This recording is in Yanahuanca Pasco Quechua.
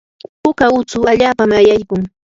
puka utsu allapami ayaykun.